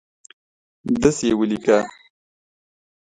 دسي یې ولیکه